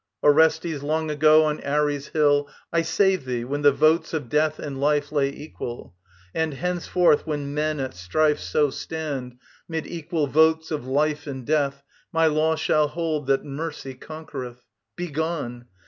Orestes, long ago on Ares' Hill I saved thee, when the votes of Death and Life Lay equal: and henceforth, when men at strife So stand, mid equal votes of Life and Death, My law shall hold that Mercy conquereth. Begone.